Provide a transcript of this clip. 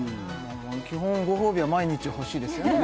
基本ご褒美は毎日欲しいですよね